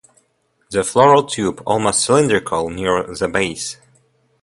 The floral tube almost cylindrical near the base.